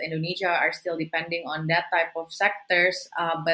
indonesia masih bergantung pada sektor sektor seperti itu